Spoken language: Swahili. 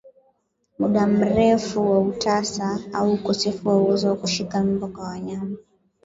Muda mrefu wa utasa au ukosefu wa uwezo wa kushika mimba kwa wanyama